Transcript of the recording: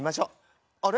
あれ？